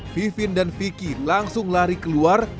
vivien dan vicky langsung lari keluar